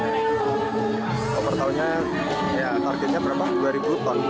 kalau per tahunnya ya targetnya berapa dua ribu ton